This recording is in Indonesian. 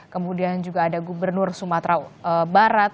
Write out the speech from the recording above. kemudian juga ada gubernur sumatera barat